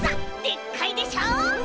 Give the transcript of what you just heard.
でっかいでしょう？